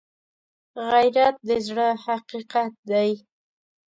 غیرت د زړه حقیقت دی